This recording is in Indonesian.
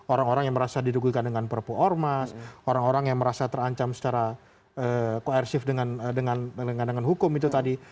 orang orang yang merasa didugulkan dengan perpu ormas orang orang yang merasa terancam secara koersif dengan hukum itu tadi